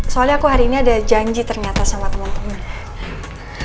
soalnya aku hari ini ada janji ternyata sama teman teman